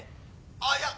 あっいや